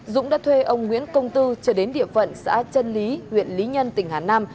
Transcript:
dũng đã thuê ông nguyễn công tư trở đến địa phận xã trân lý huyện lý nhân tỉnh hà nam